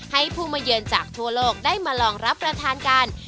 ให้ผู้มาเยือนจากทั่วโลกได้มาลองรับประทานกัน